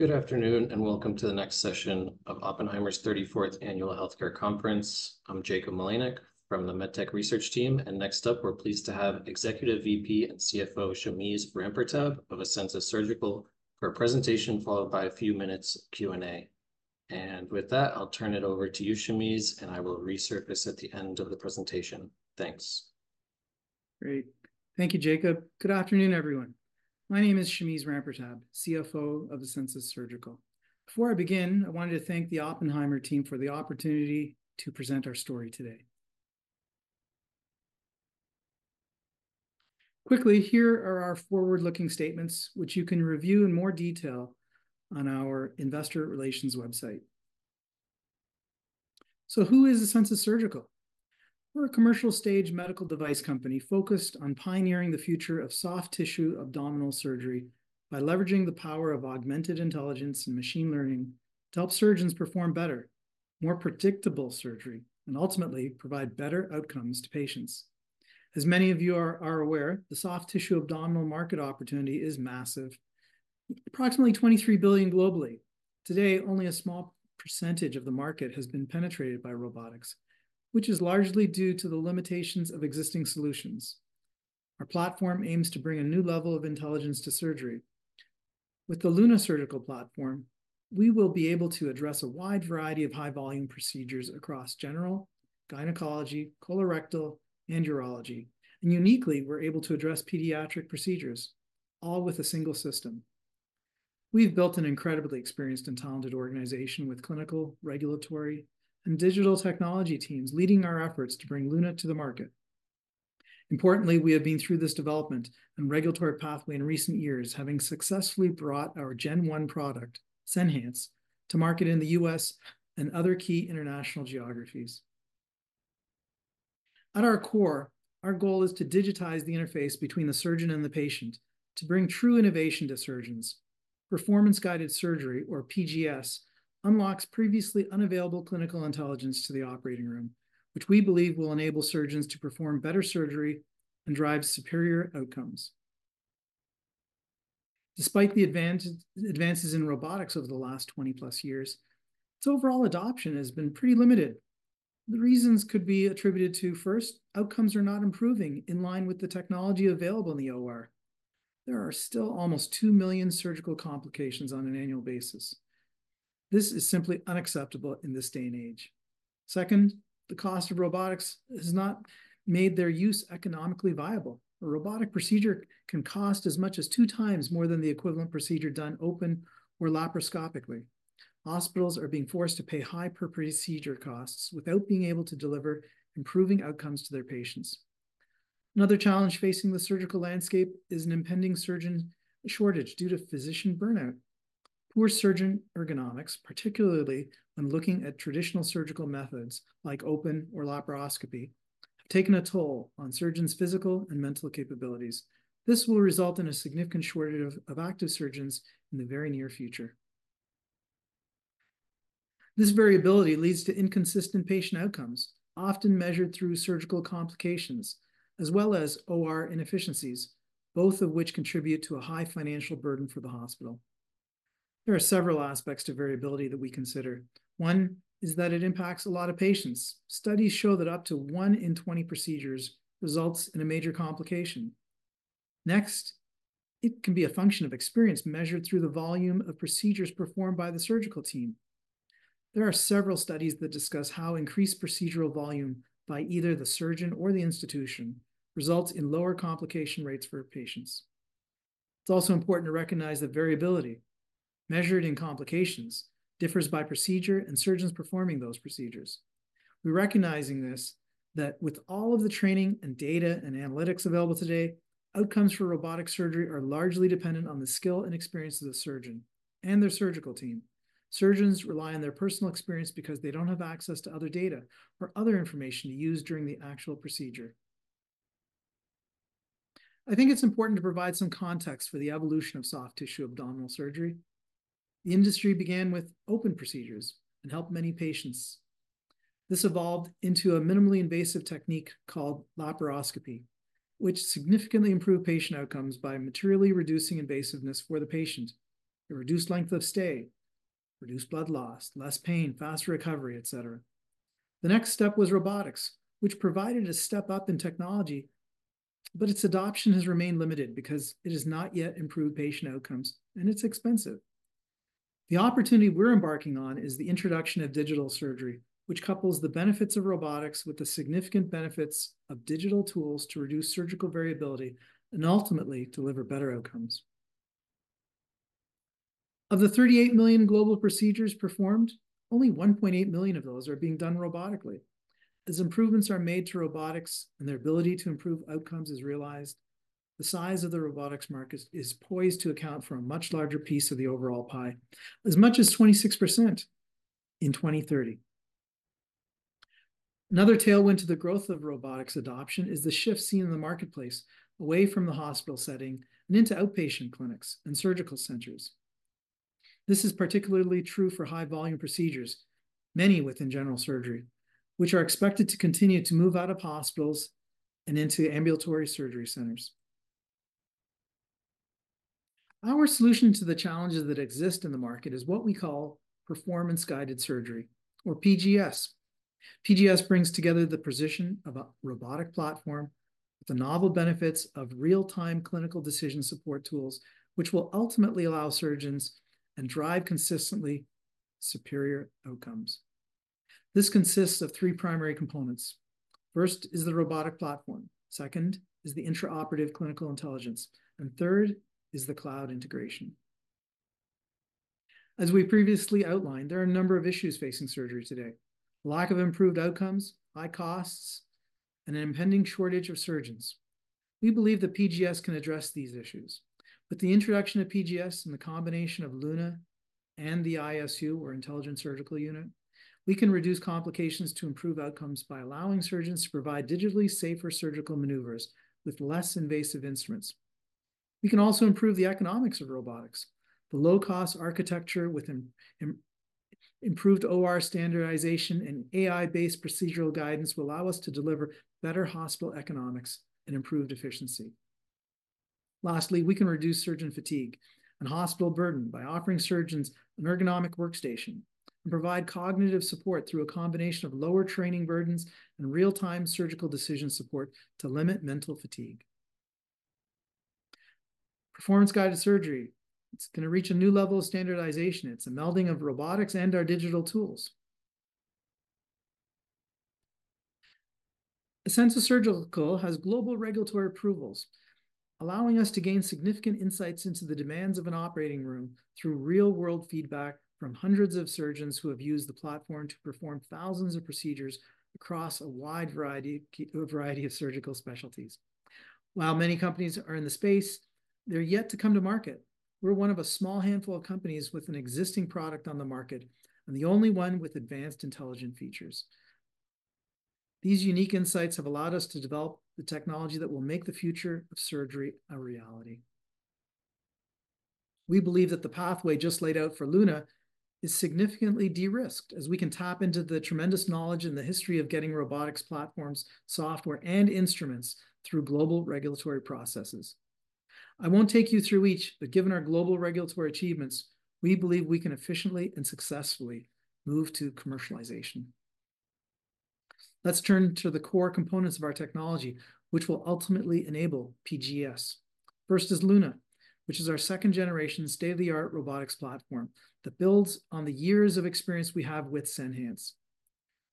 Good afternoon and welcome to the next session of Oppenheimer's 34th Annual Healthcare Conference. I'm Jacob Malinack from the MedTech Research Team, and next up we're pleased to have Executive VP and CFO Shameze Rampertab of Asensus Surgical for a presentation followed by a few minutes' Q&A. And with that, I'll turn it over to you, Shameze, and I will resurface at the end of the presentation. Thanks. Great. Thank you, Jacob. Good afternoon, everyone. My name is Shameze Rampertab, CFO of Asensus Surgical. Before I begin, I wanted to thank the Oppenheimer team for the opportunity to present our story today. Quickly, here are our forward-looking statements, which you can review in more detail on our Investor Relations website. So who is Asensus Surgical? We're a commercial-stage medical device company focused on pioneering the future of soft tissue abdominal surgery by leveraging the power of augmented intelligence and machine learning to help surgeons perform better, more predictable surgery, and ultimately provide better outcomes to patients. As many of you are aware, the soft tissue abdominal market opportunity is massive, approximately $23 billion globally. Today, only a small percentage of the market has been penetrated by robotics, which is largely due to the limitations of existing solutions. Our platform aims to bring a new level of intelligence to surgery. With the LUNA Surgical platform, we will be able to address a wide variety of high-volume procedures across general, gynecology, colorectal, and urology, and uniquely, we're able to address pediatric procedures, all with a single system. We've built an incredibly experienced and talented organization with clinical, regulatory, and digital technology teams leading our efforts to bring LUNA to the market. Importantly, we have been through this development and regulatory pathway in recent years, having successfully brought our Gen 1 product, Senhance, to market in the U.S. and other key international geographies. At our core, our goal is to digitize the interface between the surgeon and the patient to bring true innovation to surgeons. Performance-Guided Surgery, or PGS, unlocks previously unavailable clinical intelligence to the operating room, which we believe will enable surgeons to perform better surgery and drive superior outcomes. Despite the advances in robotics over the last 20+ years, its overall adoption has been pretty limited. The reasons could be attributed to, first, outcomes are not improving in line with the technology available in the OR. There are still almost 2 million surgical complications on an annual basis. This is simply unacceptable in this day and age. Second, the cost of robotics has not made their use economically viable. A robotic procedure can cost as much as 2x more than the equivalent procedure done open or laparoscopically. Hospitals are being forced to pay high per-procedure costs without being able to deliver improving outcomes to their patients. Another challenge facing the surgical landscape is an impending surgeon shortage due to physician burnout. Poor surgeon ergonomics, particularly when looking at traditional surgical methods like open or laparoscopy, have taken a toll on surgeons' physical and mental capabilities. This will result in a significant shortage of active surgeons in the very near future. This variability leads to inconsistent patient outcomes, often measured through surgical complications, as well as OR inefficiencies, both of which contribute to a high financial burden for the hospital. There are several aspects to variability that we consider. One is that it impacts a lot of patients. Studies show that up to one in 20 procedures results in a major complication. Next, it can be a function of experience measured through the volume of procedures performed by the surgical team. There are several studies that discuss how increased procedural volume by either the surgeon or the institution results in lower complication rates for patients. It's also important to recognize that variability, measured in complications, differs by procedure and surgeons performing those procedures. We're recognizing this, that with all of the training and data and analytics available today, outcomes for robotic surgery are largely dependent on the skill and experience of the surgeon and their surgical team. Surgeons rely on their personal experience because they don't have access to other data or other information to use during the actual procedure. I think it's important to provide some context for the evolution of soft tissue abdominal surgery. The industry began with open procedures and helped many patients. This evolved into a minimally invasive technique called laparoscopy, which significantly improved patient outcomes by materially reducing invasiveness for the patient. It reduced length of stay, reduced blood loss, less pain, faster recovery, et cetera. The next step was robotics, which provided a step up in technology, but its adoption has remained limited because it has not yet improved patient outcomes, and it's expensive. The opportunity we're embarking on is the introduction of digital surgery, which couples the benefits of robotics with the significant benefits of digital tools to reduce surgical variability and ultimately deliver better outcomes. Of the 38 million global procedures performed, only 1.8 million of those are being done robotically. As improvements are made to robotics and their ability to improve outcomes is realized, the size of the robotics market is poised to account for a much larger piece of the overall pie, as much as 26% in 2030. Another tailwind to the growth of robotics adoption is the shift seen in the marketplace away from the hospital setting and into outpatient clinics and surgical centers. This is particularly true for high-volume procedures, many within general surgery, which are expected to continue to move out of hospitals and into ambulatory surgery centers. Our solution to the challenges that exist in the market is what we call Performance-Guided Surgery, or PGS. PGS brings together the position of a robotic platform with the novel benefits of real-time clinical decision support tools, which will ultimately allow surgeons and drive consistently superior outcomes. This consists of three primary components. First is the robotic platform. Second is the intraoperative clinical intelligence. And third is the cloud integration. As we previously outlined, there are a number of issues facing surgery today: lack of improved outcomes, high costs, and an impending shortage of surgeons. We believe that PGS can address these issues. With the introduction of PGS and the combination of LUNA and the ISU, or Intelligent Surgical Unit, we can reduce complications to improve outcomes by allowing surgeons to provide digitally safer surgical maneuvers with less invasive instruments. We can also improve the economics of robotics. The low-cost architecture with improved OR standardization and AI-based procedural guidance will allow us to deliver better hospital economics and improved efficiency. Lastly, we can reduce surgeon fatigue and hospital burden by offering surgeons an ergonomic workstation and provide cognitive support through a combination of lower training burdens and real-time surgical decision support to limit mental fatigue. Performance-Guided Surgery, it's going to reach a new level of standardization. It's a melding of robotics and our digital tools. Asensus Surgical has global regulatory approvals, allowing us to gain significant insights into the demands of an operating room through real-world feedback from hundreds of surgeons who have used the platform to perform thousands of procedures across a wide variety of surgical specialties. While many companies are in the space, they're yet to come to market. We're one of a small handful of companies with an existing product on the market and the only one with advanced intelligent features. These unique insights have allowed us to develop the technology that will make the future of surgery a reality. We believe that the pathway just laid out for LUNA is significantly de-risked as we can tap into the tremendous knowledge and the history of getting robotics platforms, software, and instruments through global regulatory processes. I won't take you through each, but given our global regulatory achievements, we believe we can efficiently and successfully move to commercialization. Let's turn to the core components of our technology, which will ultimately enable PGS. First is LUNA, which is our second-generation, state-of-the-art robotics platform that builds on the years of experience we have with Senhance.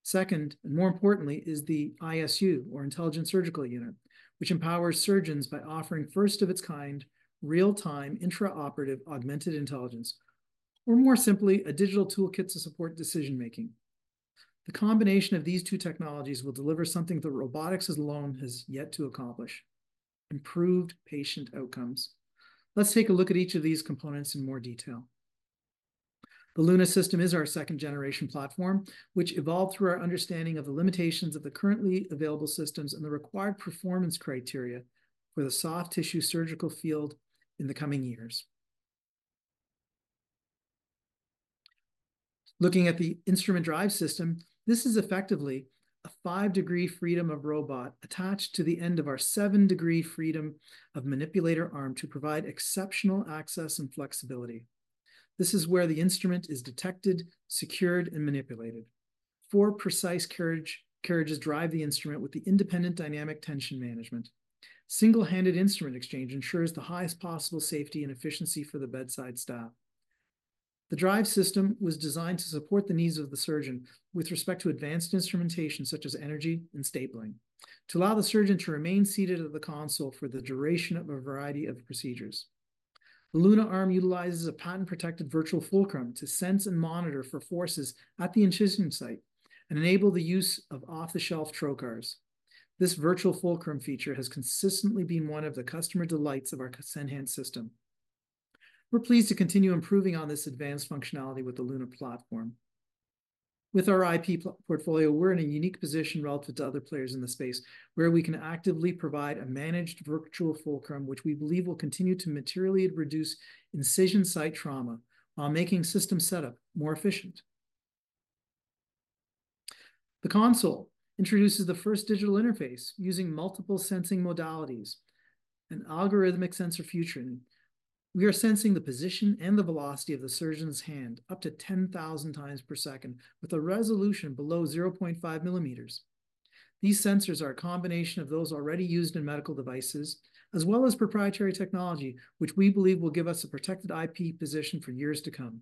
Second, and more importantly, is the ISU, or Intelligent Surgical Unit, which empowers surgeons by offering first-of-its-kind, real-time, intraoperative Augmented Intelligence, or more simply, a digital toolkit to support decision-making. The combination of these two technologies will deliver something that robotics alone has yet to accomplish: improved patient outcomes. Let's take a look at each of these components in more detail. The LUNA system is our second-generation platform, which evolved through our understanding of the limitations of the currently available systems and the required performance criteria for the soft tissue surgical field in the coming years. Looking at the instrument drive system, this is effectively a 5-degree-of-freedom robot attached to the end of our 7-degree-of-freedom manipulator arm to provide exceptional access and flexibility. This is where the instrument is detected, secured, and manipulated. Four precise carriages drive the instrument with the independent dynamic tension management. Single-handed instrument exchange ensures the highest possible safety and efficiency for the bedside staff. The drive system was designed to support the needs of the surgeon with respect to advanced instrumentation such as energy and stapling to allow the surgeon to remain seated at the console for the duration of a variety of procedures. The LUNA arm utilizes a patent-protected virtual fulcrum to sense and monitor for forces at the incision site and enable the use of off-the-shelf trocars. This virtual fulcrum feature has consistently been one of the customer delights of our Senhance system. We're pleased to continue improving on this advanced functionality with the LUNA platform. With our IP portfolio, we're in a unique position relative to other players in the space where we can actively provide a managed virtual fulcrum, which we believe will continue to materially reduce incision site trauma while making system setup more efficient. The console introduces the first digital interface using multiple sensing modalities, an algorithmic sensor fusion. We are sensing the position and the velocity of the surgeon's hand up to 10,000x per second with a resolution below 0.5 mm. These sensors are a combination of those already used in medical devices as well as proprietary technology, which we believe will give us a protected IP position for years to come.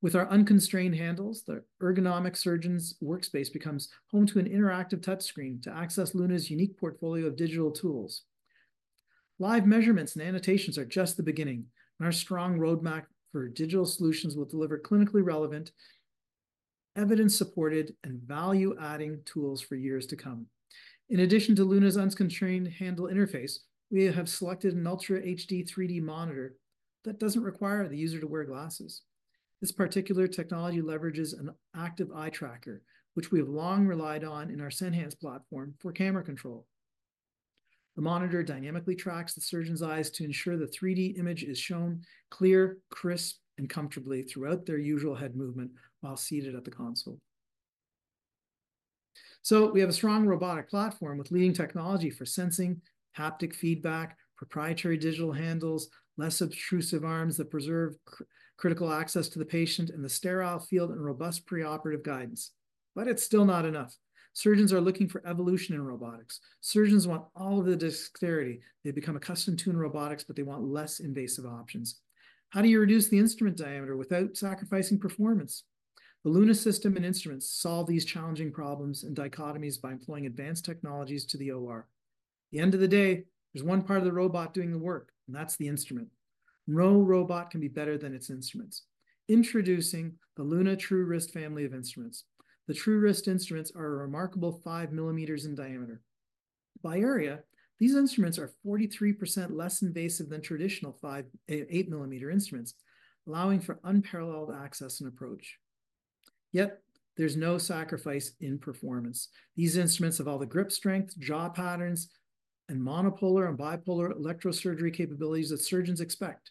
With our unconstrained handles, the ergonomic surgeon's workspace becomes home to an interactive touchscreen to access LUNA's unique portfolio of digital tools. Live measurements and annotations are just the beginning and our strong roadmap for digital solutions will deliver clinically relevant, evidence-supported, and value-adding tools for years to come. In addition to LUNA's unconstrained handle interface, we have selected an Ultra HD 3D monitor that doesn't require the user to wear glasses. This particular technology leverages an active eye tracker, which we have long relied on in our Senhance platform for camera control. The monitor dynamically tracks the surgeon's eyes to ensure the 3D image is shown clear, crisp, and comfortably throughout their usual head movement while seated at the console. So we have a strong robotic platform with leading technology for sensing, haptic feedback, proprietary digital handles, less obtrusive arms that preserve critical access to the patient and the sterile field, and robust preoperative guidance. But it's still not enough. Surgeons are looking for evolution in robotics. Surgeons want all of the dexterity. They've become accustomed to robotics, but they want less invasive options. How do you reduce the instrument diameter without sacrificing performance? The LUNA system and instruments solve these challenging problems and dichotomies by employing advanced technologies to the OR. At the end of the day, there's one part of the robot doing the work, and that's the instrument. No robot can be better than its instruments. Introducing the LUNA TrueWrist family of instruments. The TrueWrist instruments are remarkable 5 mm in diameter. By area, these instruments are 43% less invasive than traditional 8 mm instruments, allowing for unparalleled access and approach. Yet there's no sacrifice in performance. These instruments have all the grip strength, jaw patterns, and monopolar and bipolar electrosurgery capabilities that surgeons expect.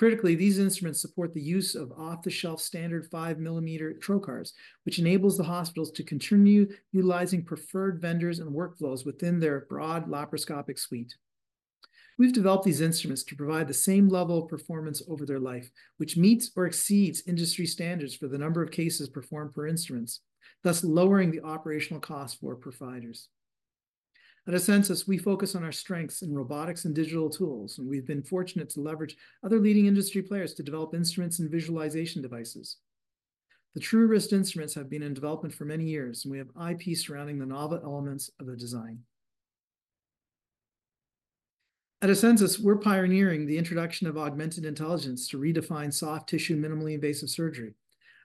Critically, these instruments support the use of off-the-shelf standard 5 mm trocars, which enables the hospitals to continue utilizing preferred vendors and workflows within their broad laparoscopic suite. We've developed these instruments to provide the same level of performance over their life, which meets or exceeds industry standards for the number of cases performed per instruments, thus lowering the operational cost for providers. At Asensus, we focus on our strengths in robotics and digital tools, and we've been fortunate to leverage other leading industry players to develop instruments and visualization devices. The TrueWrist instruments have been in development for many years, and we have IP surrounding the novel elements of the design. At Asensus, we're pioneering the introduction of Augmented Intelligence to redefine soft tissue minimally invasive surgery.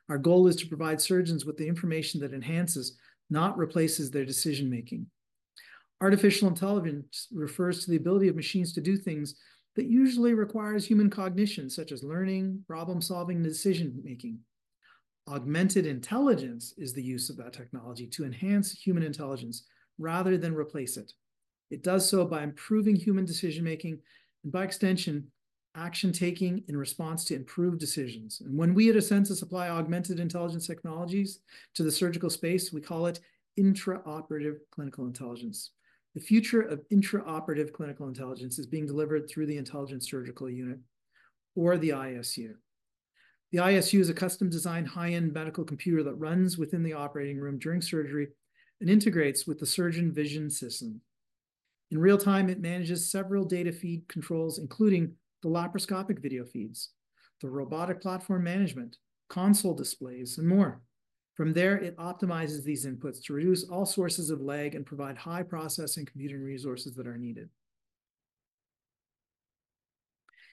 Our goal is to provide surgeons with the information that enhances, not replaces, their decision-making. Artificial intelligence refers to the ability of machines to do things that usually require human cognition, such as learning, problem-solving, and decision-making. Augmented Intelligence is the use of that technology to enhance human intelligence rather than replace it. It does so by improving human decision-making and, by extension, action taking in response to improved decisions. When we at Asensus apply Augmented Intelligence technologies to the surgical space, we call it intraoperative clinical intelligence. The future of intraoperative clinical intelligence is being delivered through the Intelligent Surgical Unit, or the ISU. The ISU is a custom-designed high-end medical computer that runs within the operating room during surgery and integrates with the surgeon vision system. In real time, it manages several data feed controls, including the laparoscopic video feeds, the robotic platform management, console displays, and more. From there, it optimizes these inputs to reduce all sources of lag and provide high processing computing resources that are needed.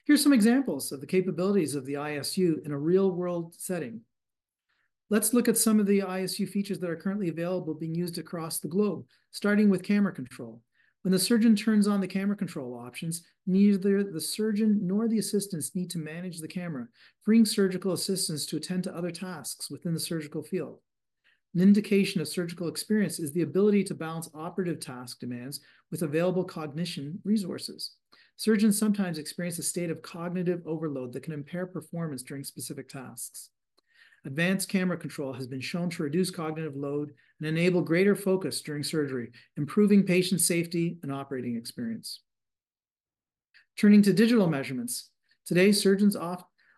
Here are some examples of the capabilities of the ISU in a real-world setting. Let's look at some of the ISU features that are currently available being used across the globe, starting with camera control. When the surgeon turns on the camera control options, neither the surgeon nor the assistants need to manage the camera, freeing surgical assistants to attend to other tasks within the surgical field. An indication of surgical experience is the ability to balance operative task demands with available cognition resources. Surgeons sometimes experience a state of cognitive overload that can impair performance during specific tasks. Advanced camera control has been shown to reduce cognitive load and enable greater focus during surgery, improving patient safety and operating experience. Turning to digital measurements, today surgeons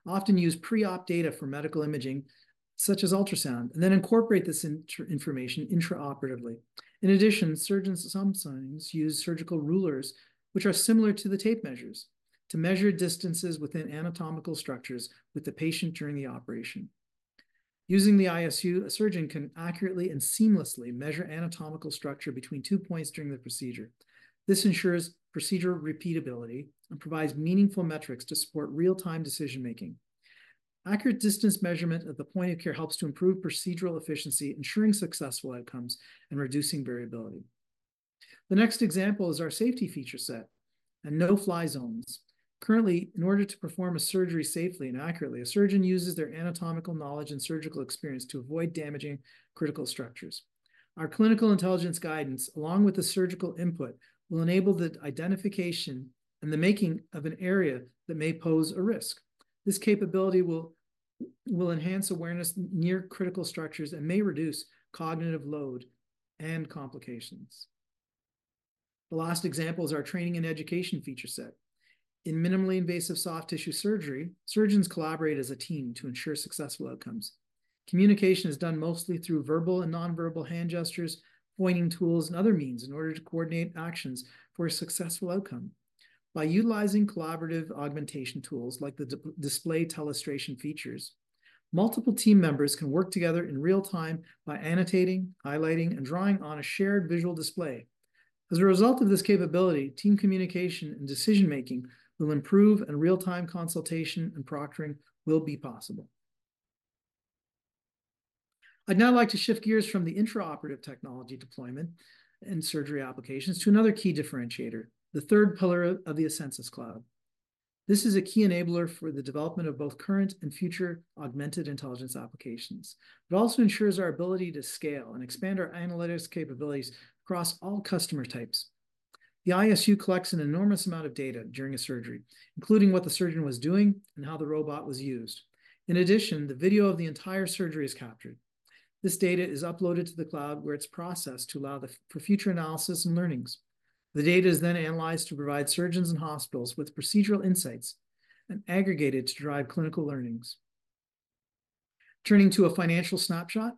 often use pre-op data for medical imaging, such as ultrasound, and then incorporate this information intraoperatively. In addition, surgeons sometimes use surgical rulers, which are similar to the tape measures, to measure distances within anatomical structures with the patient during the operation. Using the ISU, a surgeon can accurately and seamlessly measure anatomical structure between two points during the procedure. This ensures procedure repeatability and provides meaningful metrics to support real-time decision-making. Accurate distance measurement at the point of care helps to improve procedural efficiency, ensuring successful outcomes and reducing variability. The next example is our safety feature set and no-fly zones. Currently, in order to perform a surgery safely and accurately, a surgeon uses their anatomical knowledge and surgical experience to avoid damaging critical structures. Our clinical intelligence guidance, along with the surgical input, will enable the identification and the making of an area that may pose a risk. This capability will enhance awareness near critical structures and may reduce cognitive load and complications. The last example is our training and education feature set. In minimally invasive soft tissue surgery, surgeons collaborate as a team to ensure successful outcomes. Communication is done mostly through verbal and nonverbal hand gestures, pointing tools, and other means in order to coordinate actions for a successful outcome. By utilizing collaborative augmentation tools like the display telestration features, multiple team members can work together in real time by annotating, highlighting, and drawing on a shared visual display. As a result of this capability, team communication and decision-making will improve, and real-time consultation and proctoring will be possible. I'd now like to shift gears from the intraoperative technology deployment in surgery applications to another key differentiator, the third pillar of the Asensus Cloud. This is a key enabler for the development of both current and future Augmented intelligence applications. It also ensures our ability to scale and expand our analytics capabilities across all customer types. The ISU collects an enormous amount of data during a surgery, including what the surgeon was doing and how the robot was used. In addition, the video of the entire surgery is captured. This data is uploaded to the cloud where it's processed to allow for future analysis and learnings. The data is then analyzed to provide surgeons and hospitals with procedural insights and aggregated to drive clinical learnings. Turning to a financial snapshot,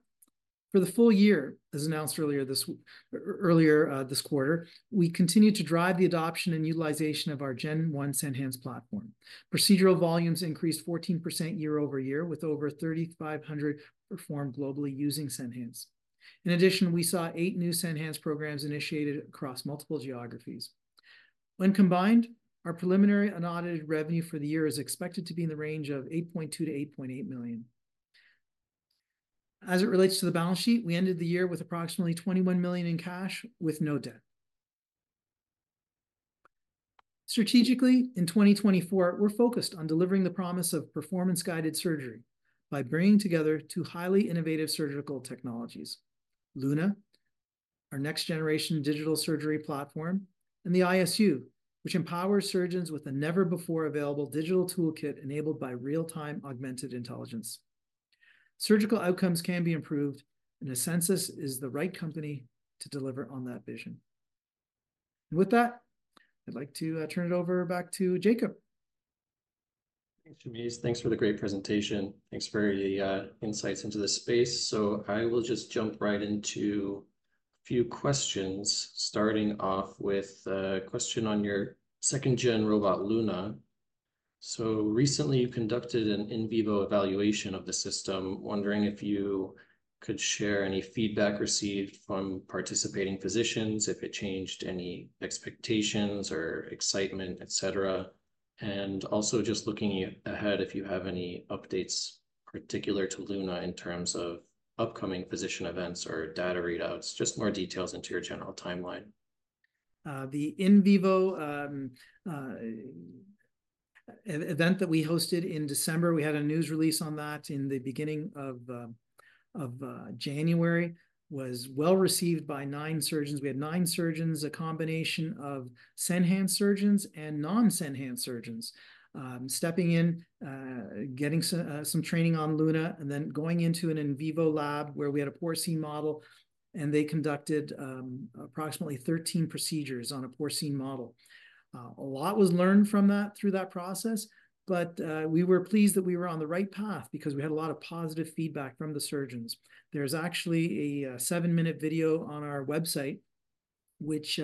for the full year, as announced earlier this quarter, we continue to drive the adoption and utilization of our Gen 1 Senhance platform. Procedural volumes increased 14% year-over-year with over 3,500 performed globally using Senhance. In addition, we saw eight new Senhance programs initiated across multiple geographies. When combined, our preliminary unaudited revenue for the year is expected to be in the range of $8.2 million-$8.8 million. As it relates to the balance sheet, we ended the year with approximately $21 million in cash with no debt. Strategically, in 2024, we're focused on delivering the promise of Performance-Guided Surgery by bringing together two highly innovative surgical technologies: LUNA, our next-generation digital surgery platform, and the ISU, which empowers surgeons with a never-before-available digital toolkit enabled by real-time Augmented Intelligence. Surgical outcomes can be improved, and Asensus is the right company to deliver on that vision. With that, I'd like to turn it over back to Jacob. Thanks, Shameze. Thanks for the great presentation. Thanks for the insights into this space. So I will just jump right into a few questions, starting off with a question on your second-gen robot, LUNA. So recently, you conducted an in vivo evaluation of the system, wondering if you could share any feedback received from participating physicians, if it changed any expectations or excitement, et cetera. Also just looking ahead if you have any updates particular to LUNA in terms of upcoming physician events or data readouts, just more details into your general timeline. The in vivo event that we hosted in December, we had a news release on that in the beginning of January, was well received by nine surgeons. We had nine surgeons, a combination of Senhance surgeons and non-Senhance surgeons stepping in, getting some training on LUNA, and then going into an in vivo lab where we had a porcine model, and they conducted approximately 13 procedures on a porcine model. A lot was learned from that through that process, but we were pleased that we were on the right path because we had a lot of positive feedback from the surgeons. There's actually a seven-minute video on our website, which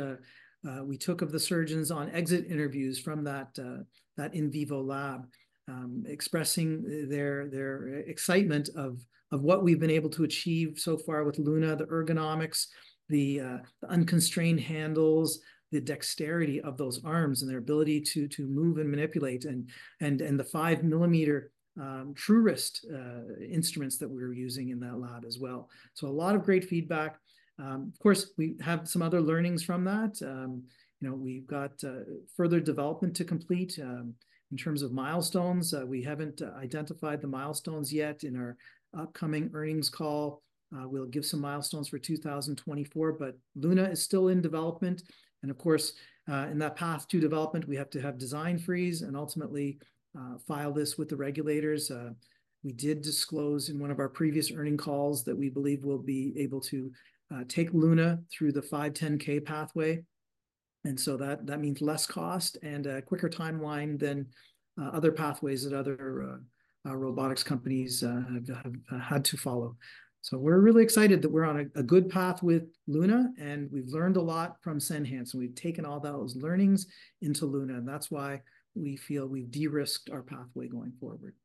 we took of the surgeons on exit interviews from that in vivo lab, expressing their excitement of what we've been able to achieve so far with LUNA, the ergonomics, the unconstrained handles, the dexterity of those arms, and their ability to move and manipulate, and the 5 mm TrueWrist instruments that we're using in that lab as well. So a lot of great feedback. Of course, we have some other learnings from that. We've got further development to complete in terms of milestones. We haven't identified the milestones yet in our upcoming earnings call. We'll give some milestones for 2024, but LUNA is still in development. Of course, in that path to development, we have to have design freeze and ultimately file this with the regulators. We did disclose in one of our previous earnings calls that we believe we'll be able to take LUNA through the 510(k) pathway. And so that means less cost and a quicker timeline than other pathways that other robotics companies have had to follow. So we're really excited that we're on a good path with LUNA, and we've learned a lot from Senhance, and we've taken all those learnings into LUNA. And that's why we feel we've de-risked our pathway going forward.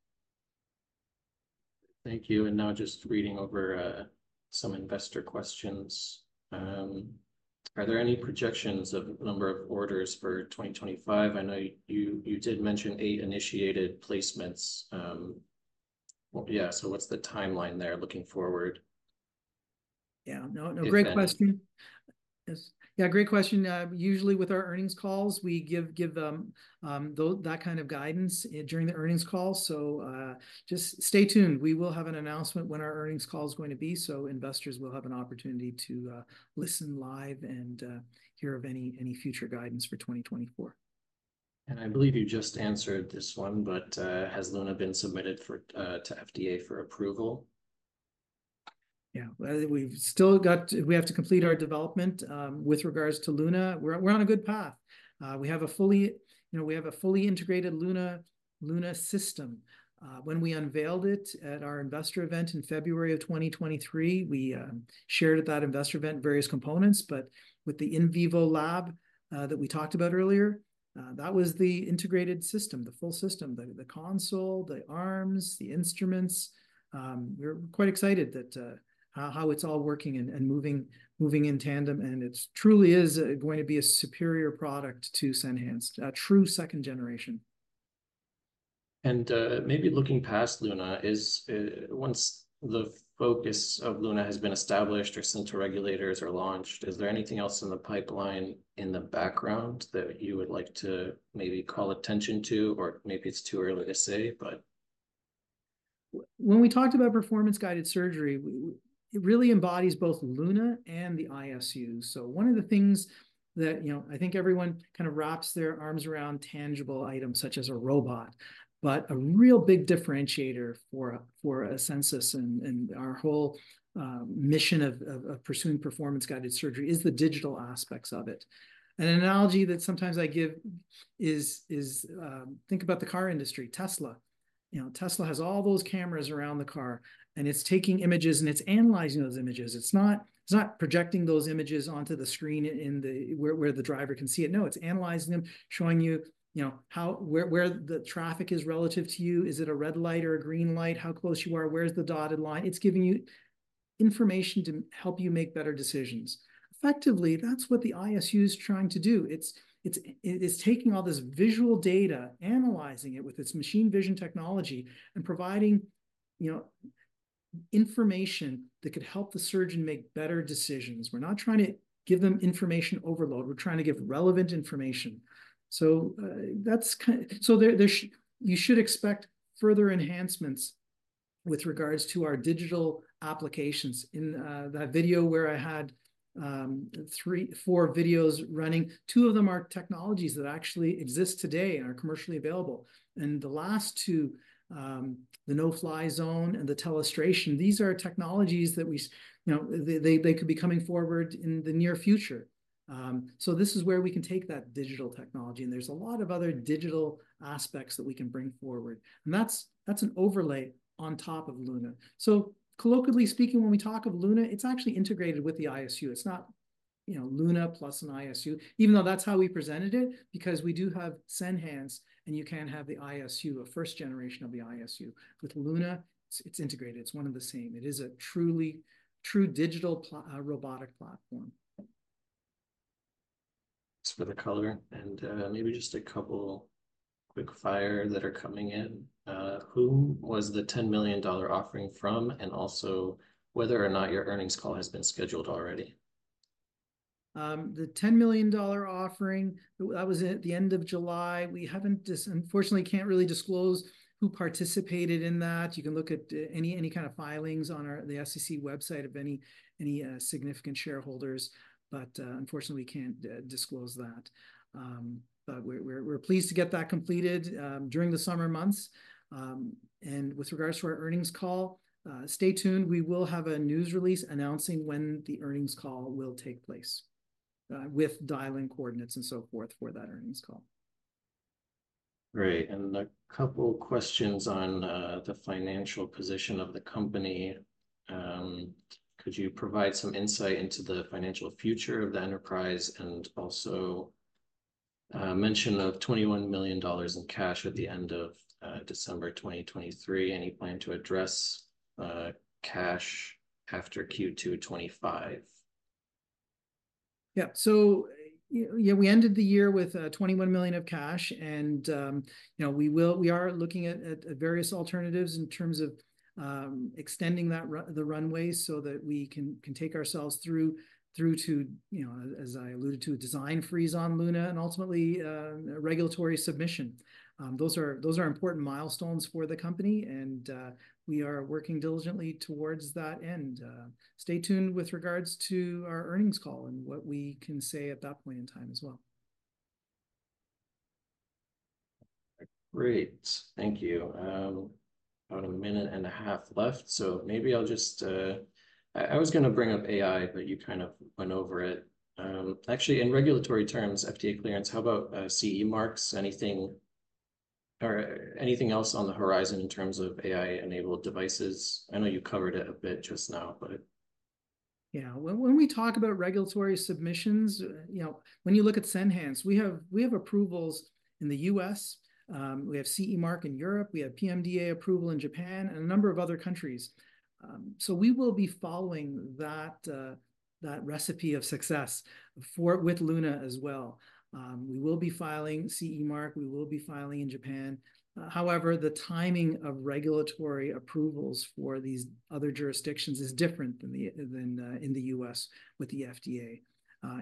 Thank you. Now just reading over some investor questions. Are there any projections of a number of orders for 2025? I know you did mention eight initiated placements. Yeah, so what's the timeline there looking forward? Yeah, no, great question. Yeah, great question. Usually, with our earnings calls, we give that kind of guidance during the earnings call. So just stay tuned. We will have an announcement when our earnings call is going to be, so investors will have an opportunity to listen live and hear of any future guidance for 2024. I believe you just answered this one, but has LUNA been submitted to FDA for approval? Yeah, we have to complete our development with regards to LUNA. We're on a good path. We have a fully integrated LUNA system. When we unveiled it at our investor event in February of 2023, we shared at that investor event various components. But with the in vivo lab that we talked about earlier, that was the integrated system, the full system, the console, the arms, the instruments. We're quite excited about how it's all working and moving in tandem, and it truly is going to be a superior product to Senhance, a true second generation. Maybe looking past LUNA, once the focus of LUNA has been established or sent to regulators or launched, is there anything else in the pipeline in the background that you would like to maybe call attention to, or maybe it's too early to say, but? When we talked about Performance-Guided Surgery, it really embodies both LUNA and the ISU. So one of the things that I think everyone kind of wraps their arms around tangible items, such as a robot. But a real big differentiator for Asensus and our whole mission of pursuing Performance-Guided Surgery is the digital aspects of it. And an analogy that sometimes I give is think about the car industry, Tesla. Tesla has all those cameras around the car, and it's taking images and it's analyzing those images. It's not projecting those images onto the screen where the driver can see it. No, it's analyzing them, showing you where the traffic is relative to you. Is it a red light or a green light? How close you are? Where's the dotted line? It's giving you information to help you make better decisions. Effectively, that's what the ISU is trying to do. It's taking all this visual data, analyzing it with its machine vision technology, and providing information that could help the surgeon make better decisions. We're not trying to give them information overload. We're trying to give relevant information. You should expect further enhancements with regards to our digital applications. In that video where I had four videos running, two of them are technologies that actually exist today and are commercially available. The last two, the no-fly zone and the telestration, these are technologies that could be coming forward in the near future. This is where we can take that digital technology, and there's a lot of other digital aspects that we can bring forward. That's an overlay on top of LUNA. Colloquially speaking, when we talk of LUNA, it's actually integrated with the ISU. It's not LUNA plus an ISU, even though that's how we presented it, because we do have Senhance, and you can have the ISU, a first generation of the ISU. With LUNA, it's integrated. It's one and the same. It is a truly true digital robotic platform. For the color and maybe just a couple quick-fire that are coming in, who was the $10 million offering from, and also whether or not your earnings call has been scheduled already? The $10 million offering, that was at the end of July. We haven't unfortunately can't really disclose who participated in that. You can look at any kind of filings on the SEC website of any significant shareholders, but unfortunately, we can't disclose that. But we're pleased to get that completed during the summer months. With regards to our earnings call, stay tuned. We will have a news release announcing when the earnings call will take place with dial-in coordinates and so forth for that earnings call. Great. A couple questions on the financial position of the company. Could you provide some insight into the financial future of the enterprise and also mention of $21 million in cash at the end of December 2023? Any plan to address cash after Q2 2025? Yeah, so yeah, we ended the year with $21 million of cash, and we are looking at various alternatives in terms of extending the runway so that we can take ourselves through to, as I alluded to, design freeze on LUNA and ultimately regulatory submission. Those are important milestones for the company, and we are working diligently towards that end. Stay tuned with regards to our earnings call and what we can say at that point in time as well. Great. Thank you. About 1.5 minutes left, so maybe I was going to bring up AI, but you kind of went over it. Actually, in regulatory terms, FDA clearance, how about CE marks? Anything else on the horizon in terms of AI-enabled devices? I know you covered it a bit just now, but. Yeah, when we talk about regulatory submissions, when you look at Senhance, we have approvals in the U.S. We have CE mark in Europe. We have PMDA approval in Japan and a number of other countries. So we will be following that recipe of success with LUNA as well. We will be filing CE mark. We will be filing in Japan. However, the timing of regulatory approvals for these other jurisdictions is different than in the U.S. with the FDA.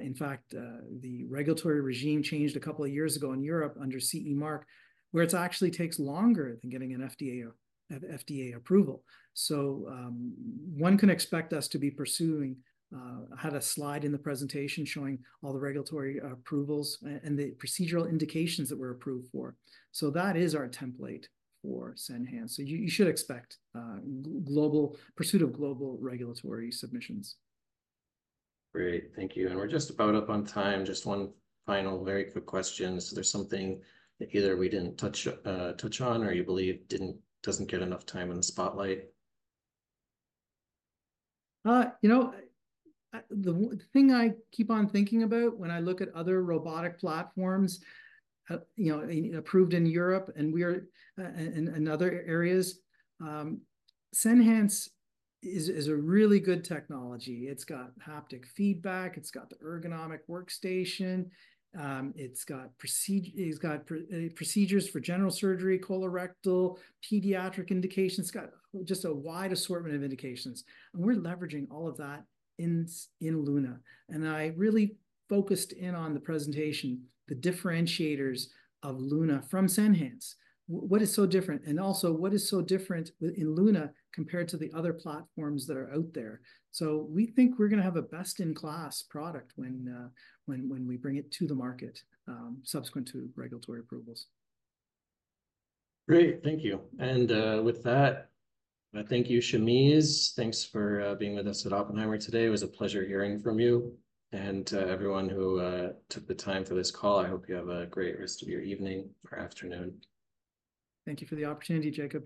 In fact, the regulatory regime changed a couple of years ago in Europe under CE mark, where it actually takes longer than getting an FDA approval. So one can expect us to be pursuing. I had a slide in the presentation showing all the regulatory approvals and the procedural indications that we're approved for. So that is our template for Senhance. So you should expect pursuit of global regulatory submissions. Great. Thank you. We're just about up on time. Just one final very quick question. Is there something that either we didn't touch on or you believe doesn't get enough time in the spotlight? You know, the thing I keep on thinking about when I look at other robotic platforms approved in Europe and in other areas, Senhance is a really good technology. It's got haptic feedback. It's got the ergonomic workstation. It's got procedures for general surgery, colorectal, pediatric indications. It's got just a wide assortment of indications. And we're leveraging all of that in LUNA. And I really focused in on the presentation, the differentiators of LUNA from Senhance. What is so different? And also, what is so different in LUNA compared to the other platforms that are out there? So we think we're going to have a best-in-class product when we bring it to the market subsequent to regulatory approvals. Great. Thank you. With that, thank you, Shameze. Thanks for being with us at Oppenheimer today. It was a pleasure hearing from you. Everyone who took the time for this call, I hope you have a great rest of your evening or afternoon. Thank you for the opportunity, Jacob.